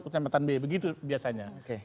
kecamatan b begitu biasanya